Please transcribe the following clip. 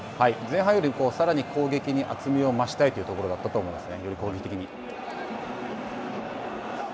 前半よりさらに攻撃に厚みを増したいというところだったと思います。